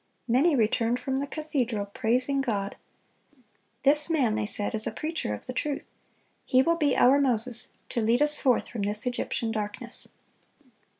Many returned from the cathedral praising God. "This man," they said, "is a preacher of the truth. He will be our Moses, to lead us forth from this Egyptian darkness."